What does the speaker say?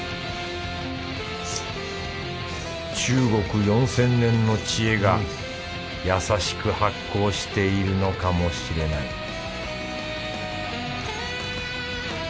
中国 ４，０００ 年の知恵が優しく発酵しているのかもしれない